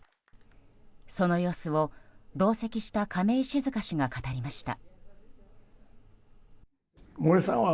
その様子を同席した亀井静香氏が語りました。